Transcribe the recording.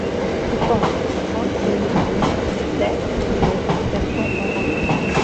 Change, quand il lui, plaît, le serpent en racine